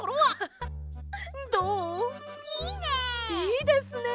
いいね！